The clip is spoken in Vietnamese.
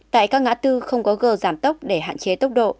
tại các ngã tư không có gờ giảm tốc để hạn chế tốc độ